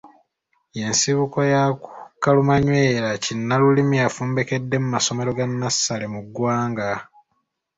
Y’ensibuko ya kalumanywera kinnalulimi afumbekedde mu masomero ga nnassale mu ggwanga.